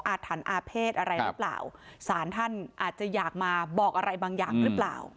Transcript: ถันอาเภษอะไรหรือเปล่าสารท่านอาจจะอยากมาบอกอะไรบางอย่างหรือเปล่า